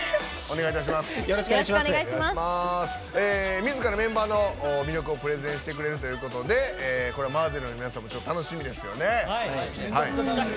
みずからメンバーの魅力をプレゼンしてくれるということでＭＡＺＺＥＬの皆さんも楽しみですよね。